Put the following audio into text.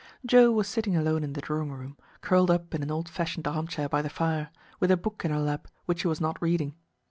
Joe was sitting alone in the drawing room, curled up in an old fashioned arm chair by the fire, with a book in her lap which she was not reading.